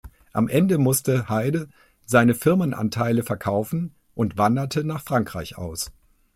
Am Ende musste Hyde seine Firmenanteile verkaufen und wanderte nach Frankreich aus.